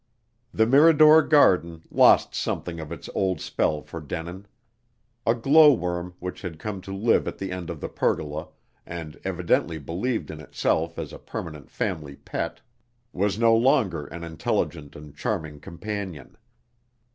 The Mirador garden lost something of its old spell for Denin. A glowworm which had come to live at the end of the pergola, and evidently believed in itself as a permanent family pet, was no longer an intelligent and charming companion.